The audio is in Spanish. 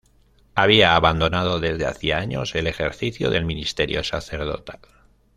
Había abandonado, desde hacía años, el ejercicio del ministerio sacerdotal.